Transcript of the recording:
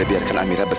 iniadah nanti aduh